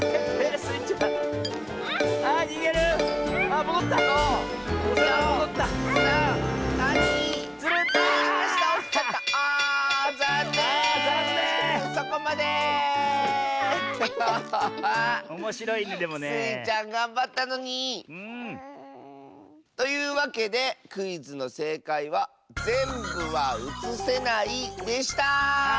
スイちゃんがんばったのに！というわけでクイズのせいかいは「ぜんぶはうつせない」でした！